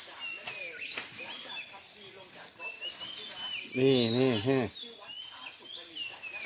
ที่วัดขาสุดการีจากยาหลวงกุลแล้วก็เดินขายไป